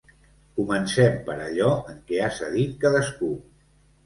Comencem per allò en què ha cedit cadascú.